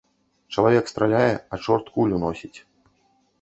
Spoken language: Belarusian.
Чалавек страляе, а чорт кулю носіць.